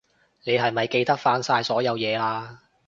你係咪記得返晒所有嘢喇？